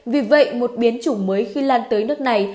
vì vậy một biến chủng mới khi lan tới nước này